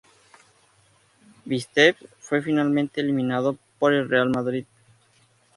Vitesse fue finalmente eliminado por el Real Madrid.